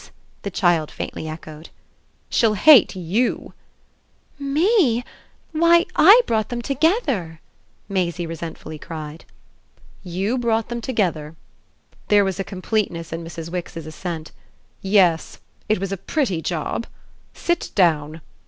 the child faintly echoed. "She'll hate YOU." "Me? Why, I brought them together!" Maisie resentfully cried. "You brought them together." There was a completeness in Mrs. Wix's assent. "Yes; it was a pretty job. Sit down."